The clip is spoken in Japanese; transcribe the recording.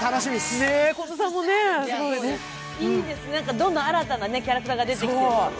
どんどん新たなキャラクターが出てきていいですね。